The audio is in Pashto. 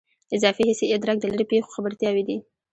اضافي حسي ادراک د لیرې پېښو خبرتیاوې دي.